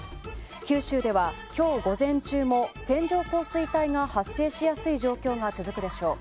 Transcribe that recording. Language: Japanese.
九州では今日午前中も線状降水帯が発生しやすい状況が続くでしょう。